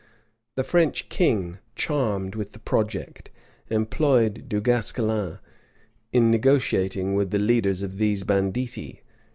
The French king, charmed with the project, employed Du Guesclin in negotiating with the leaders of these banditti.